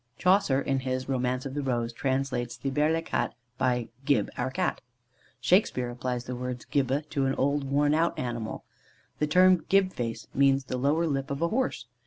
Chaucer in his Romance of the Rose translates Thibert le Cas by "Gibbe our Cat." Shakespeare applies the word Gibbe to an old worn out animal. The term Gib face means the lower lip of a horse.